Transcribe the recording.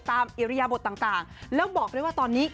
อิริยบทต่างแล้วบอกด้วยว่าตอนนี้